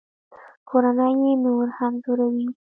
کورنۍ یې نور هم ځوروي